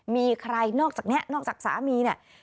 มีใครนอกจากนี้นอกจากสามีเนี่ย